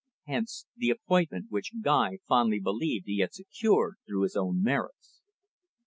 Hence the appointment which Guy fondly believed he had secured through his own merits.